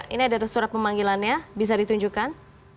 ini adalah surat pemanggilannya bisa ditunjukkan